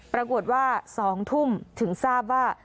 ปรากฏว่า๒ทุ่มถึงทราบว่า